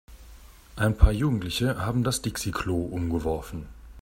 Ein paar Jugendliche haben das Dixi-Klo umgeworfen.